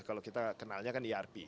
kalau kita kenalnya kan irp